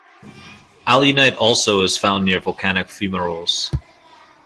Alunite also is found near volcanic fumaroles.